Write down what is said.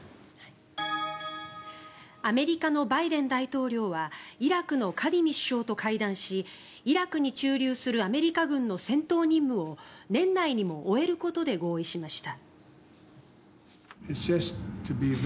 アメリカのバイデン大統領はイラクのカディミ首相と会談しイラクに駐留するアメリカ軍の戦闘任務を年内に終えることで合意しました。